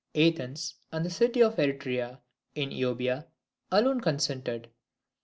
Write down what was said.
Athens, and the city of Eretria in Euboea, alone consented.